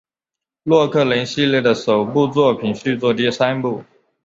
洛克人系列的首部作品续作第三部。